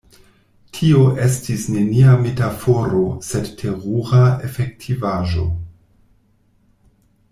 Tio estis nenia metaforo, sed terura efektivaĵo.